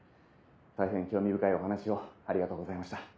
大変興味深いお話をありがとうございました。